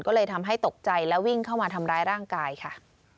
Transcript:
ก็เลยทำให้ตกใจและวิ่งเข้ามาทำร้ายร่างกายค่ะ